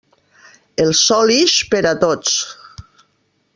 El sol ix per a tots.